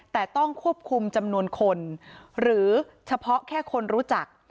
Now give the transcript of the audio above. แต่ต้องควบคุมจำนวนคนหรือเฉพาะแค่คนรู้จัก